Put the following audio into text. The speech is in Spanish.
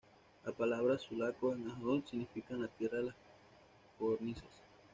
La palabra "sulaco" en náhuatl significa "En la tierra de las codornices".